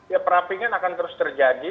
ya perapingan akan terus terjadi